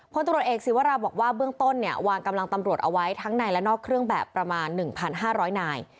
พลตำรวจเอกศิวราบอกว่าเบื้องต้นเนี่ยวางกำลังตำรวจเอาไว้ทั้งในและนอกเครื่องแบบประมาณ๑๕๐๐นาย